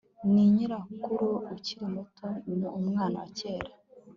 Ni nyirakuru ukiri muto ni umwana wa kera